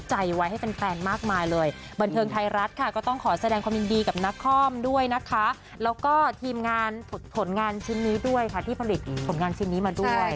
มากมายเลยบันเทิงไทยรัฐค่ะก็ต้องขอแสดงความยินดีกับนักคอมด้วยนะคะแล้วก็ทีมงานผลงานชิ้นนี้ด้วยค่ะที่ผลิตผลงานชิ้นนี้มาด้วย